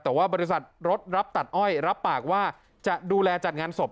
แต่ว่าบริษัทรถรับตัดอ้อยรับปากว่าจะดูแลจัดงานศพ